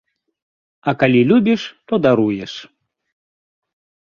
А калі любіш, то даруеш.